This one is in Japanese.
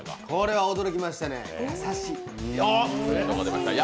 これは驚きましたね、優しい。